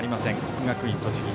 国学院栃木。